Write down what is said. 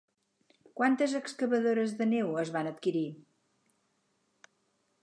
Quantes excavadores de neu es van adquirir?